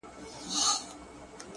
ستا د تورو سترگو اوښکي به پر پاسم،